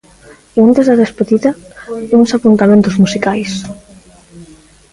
E antes da despedida, uns apuntamentos musicais.